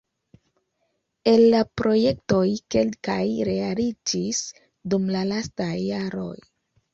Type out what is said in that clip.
El la projektoj kelkaj realiĝis dum la lastaj jaroj.